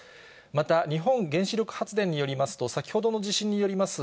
また、日本原子力発電によりますと、先ほどの地震によります